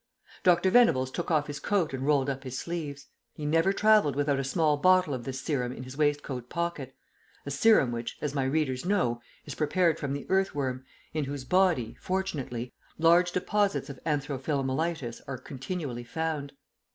Dr. Venables took off his coat and rolled up his sleeves. He never travelled without a small bottle of this serum in his waistcoat pocket a serum which, as my readers know, is prepared from the earth worm, in whose body (fortunately) large deposits of anthro philomelitis are continually found.